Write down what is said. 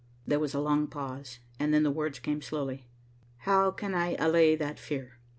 There was a long pause, and then the words came slowly. "How can I allay that fear?"